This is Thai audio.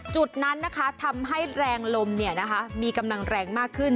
จุดนั้นนะคะทำให้แรงลมมีกำลังแรงมากขึ้น